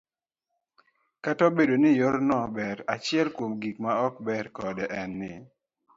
Kata obedo ni yorno ber, achiel kuom gik ma ok ber kode en ni,